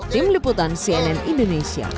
tim liputan cnn indonesia